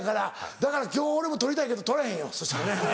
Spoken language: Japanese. だから今日俺も撮りたいけど撮らへんよそしたらね。